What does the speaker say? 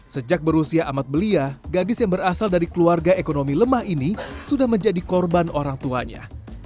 sejak berusia amat belia gadis yang berasal dari keluarga ekonomi lemah ini sudah menjadi korban orang tuanya